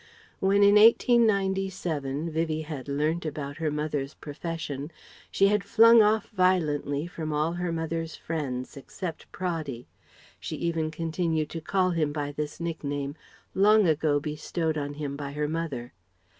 When in 1897, Vivie had learnt about her mother's "profession," she had flung off violently from all her mother's "friends," except "Praddy." She even continued to call him by this nickname, long ago bestowed on him by her mother.